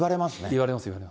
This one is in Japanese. いわれますよね。